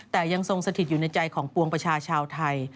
แต่ยังทรงสถิตอยู่ในใจของปวงประชาชาวไทย